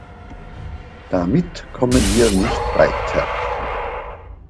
Damit kommen wir nicht weiter.